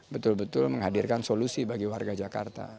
betul betul menghadirkan solusi bagi warga jakarta